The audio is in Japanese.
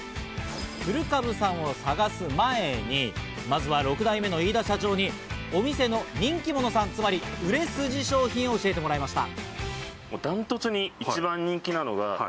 古株さんを探す前に、まずは６代目の飯田社長にお店の人気モノさん、つまり売れ筋商品を教えてもらいました。